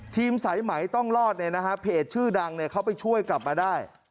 ทีมสายไหมต้องรอดเนี่ยนะฮะเพจชื่อดังเนี่ยเขาไปช่วยกลับมาได้